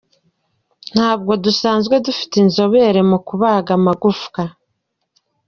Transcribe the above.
Ntabwo dusanzwe dufite inzobere mu kubaga amagufwa.